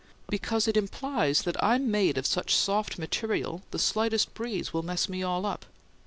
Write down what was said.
"Because it implies that I'm made of such soft material the slightest breeze will mess me all up.